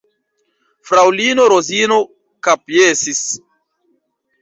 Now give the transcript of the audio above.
Fraŭlino Rozino kapjesis.